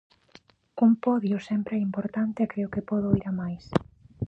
Un podio sempre é importante e creo que podo ir a máis.